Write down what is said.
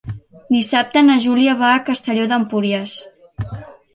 Dissabte na Júlia va a Castelló d'Empúries.